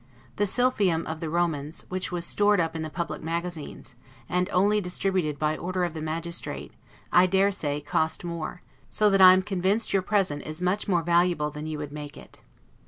The 'sylphium' of the Romans, which was stored up in the public magazines, and only distributed by order of the magistrate, I dare say, cost more; so that I am convinced, your present is much more valuable than you would make it.